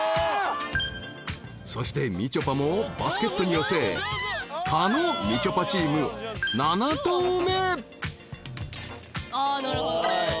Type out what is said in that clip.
［そしてみちょぱもバスケットに寄せ狩野・みちょぱチーム７投目］